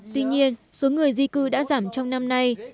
tuy nhiên số người di cư đã giảm trong năm nay